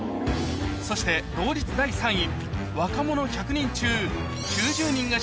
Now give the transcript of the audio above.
そして同率第３位